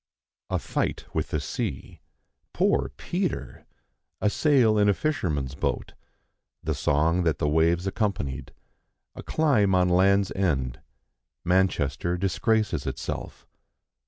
A fight with the sea. Poor Peter! A sail in a fisherman's boat. The song that the waves accompanied. A climb on Land's End. Manchester disgraces itself.